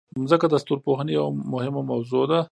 مځکه د ستورپوهنې یوه مهمه موضوع ده.